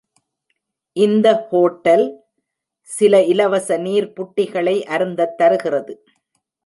இந்த ஹோட்டல் சில இலவச நீர் புட்டிகளை அருந்தத் தருகிறது.